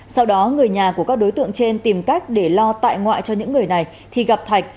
sau đó người nhà của các đối tượng trên tìm cách để lo tại ngoại cho những người này thì gặp thạch